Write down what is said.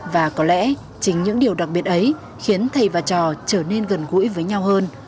và có lẽ chính những điều đặc biệt ấy khiến thầy và trò trở nên gần gũi với nhau hơn